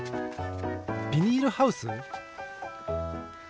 ビニールハウス？